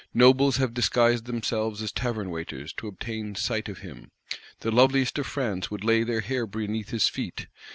Nobles have disguised themselves as tavern waiters to obtain sight of him: the loveliest of France would lay their hair beneath his feet.